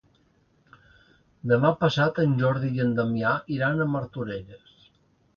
Demà passat en Jordi i en Damià iran a Martorelles.